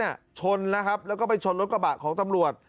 ชนนะครับแล้วก็ไปชนรถกระบะของตำรวจ